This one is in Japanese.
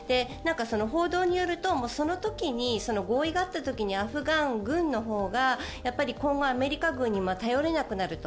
報道によるとその時に、合意があった時にアフガン軍のほうが今後アメリカ軍に頼れなくなると。